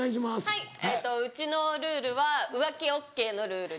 はいうちのルールは浮気ＯＫのルールです。